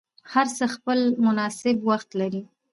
هر څه خپل مناسب وخت لري